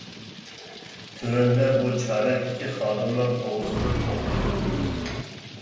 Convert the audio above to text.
تۆۋەندە بۇ چارەكتىكى خادىملار توغرىسىدا توختىلىپ ئۆتىمىز.